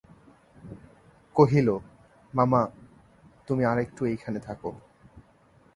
কহিল, মামা, তুমি আর-একটু এইখানে থাকো।